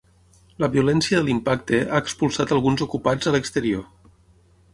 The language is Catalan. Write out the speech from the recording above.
La violència de l’impacte ha expulsat alguns ocupats a l’exterior.